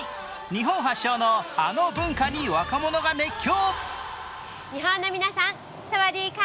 日本発祥のあの文化に若者が熱狂。